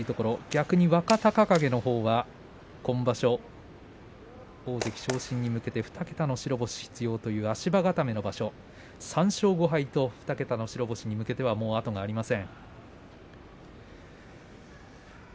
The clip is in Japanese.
逆に若隆景のほうは今場所大関昇進に向けて２桁の白星が必要という足場固めの場所３勝５敗と２桁の白星に向けては後がありません。